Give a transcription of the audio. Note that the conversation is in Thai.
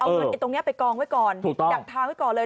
เอาตรงนี้ไปกองไว้ก่อนดักทางไว้ก่อนเลย